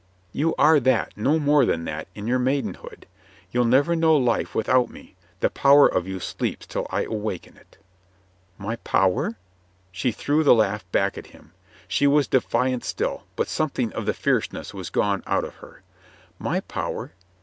You are that, no more than that, in your maidenhood. You'll never know life with out me. The power of you sleeps till I waken it." "My power?" She threw the laugh back at him. She was defiant still, but something of the fierceness was gone out of her. "My power?